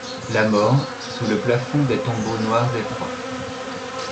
La mort, sous le plafond des tombeaux noirs et froids